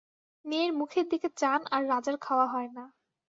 মেয়ের মুখের দিকে চান আর রাজার খাওয়া হয় না।